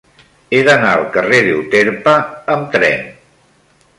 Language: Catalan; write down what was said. He d'anar al carrer d'Euterpe amb tren.